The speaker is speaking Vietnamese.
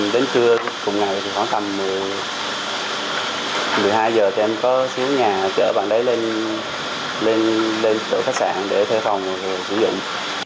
đến trưa cùng ngày khoảng tầm một mươi hai giờ em có xíu nhà chở bạn đấy lên chỗ khách sạn để thay phòng sử dụng